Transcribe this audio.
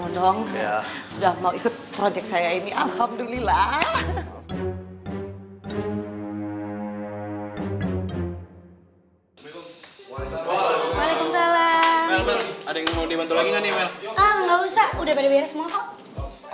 enggak usah udah pada beres semua kok